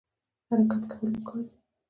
حرکت کول پکار دي